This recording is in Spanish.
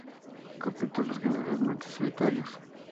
Capítulos generalmente solitarios.